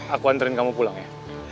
aku antren kamu pulang ya